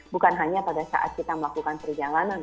bukan hanya pada saat kita melakukan perjalanan